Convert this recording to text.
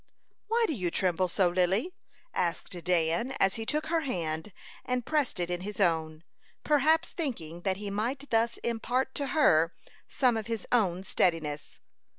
"Why do you tremble so, Lily?" asked Dan, as he took her hand and pressed it in his own, perhaps thinking that he might thus impart to her some of his own steadiness.